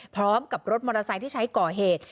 พร้อมกับรถมอเตอร์ไซค์ที่ใช้ก่อเหตุ